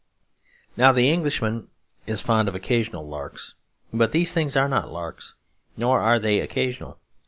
Now the Englishman is fond of occasional larks. But these things are not larks; nor are they occasional.